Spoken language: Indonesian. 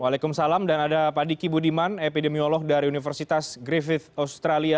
waalaikumsalam dan ada pak diki budiman epidemiolog dari universitas griffith australia